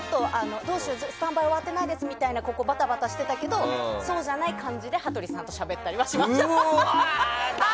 どうしよう、スタンバイが終わってないですみたいなバタバタしていたけどそうじゃない感じで羽鳥さんとしゃべったりしてました。